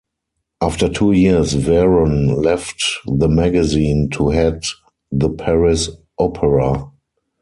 After two years Veron left the magazine to head the Paris Opera.